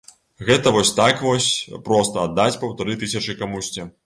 Гэта вось так вось проста аддаць паўтары тысячы камусьці.